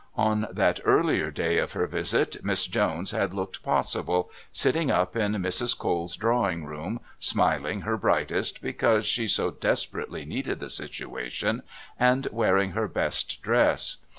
On that earlier day of her visit Miss Jones had looked possible, sitting up in Mrs. Cole's drawing room, smiling her brightest, because she so desperately needed the situation, and wearing her best dress.